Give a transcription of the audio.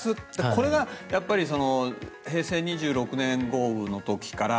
これが平成２６年豪雨の時から